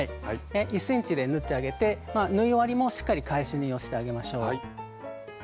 １ｃｍで縫ってあげて縫い終わりもしっかり返し縫いをしてあげましょう。